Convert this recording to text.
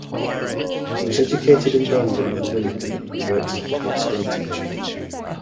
He was educated in Brandon and Winnipeg, and worked as a public school teacher.